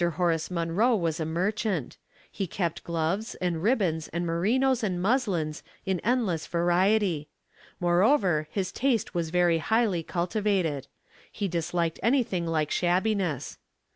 Horace Munroe was a merchant. He kept gloves and ribbons and merinos and muslins in endless variety. Moreover, his taste was very highly cultivated. He disliked anything like shabbiness.